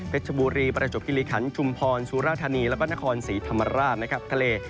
ชบุรีประจบคิริขันชุมพรสุราธานีแล้วก็นครศรีธรรมราชนะครับทะเล